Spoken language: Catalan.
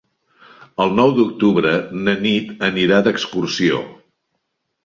El nou d'octubre na Nit anirà d'excursió.